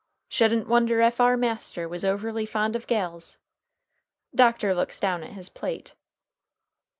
"Shouldn't wonder ef our master was overly fond of gals." Doctor looks down at his plate.